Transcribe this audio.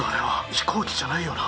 飛行機じゃないよな。